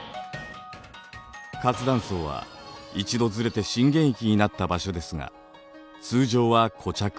活断層は一度ずれて震源域になった場所ですが通常は固着